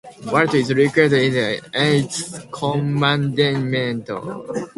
What is required in the eighth commandment?